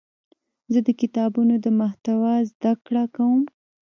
زه د کتابونو د محتوا زده کړه کوم.